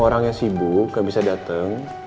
orangnya sibuk gak bisa datang